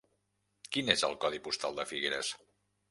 Quin és el codi postal de Figueres?